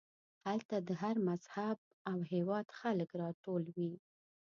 هلته د هر مذهب او هېواد خلک راټول وي.